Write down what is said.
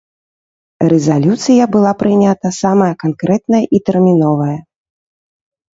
Рэзалюцыя была прынята самая канкрэтная і тэрміновая.